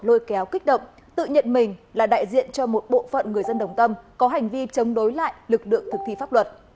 lôi kéo kích động tự nhận mình là đại diện cho một bộ phận người dân đồng tâm có hành vi chống đối lại lực lượng thực thi pháp luật